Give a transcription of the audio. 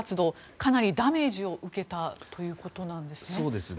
かなりダメージを受けたということなんですね。